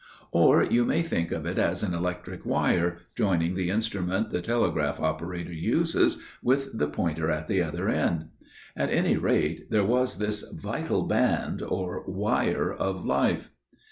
Or you may think of it as an electric wire, joining the instrument the telegraph operator uses with the pointer at the other end. At any rate there was this vital band or wire of life.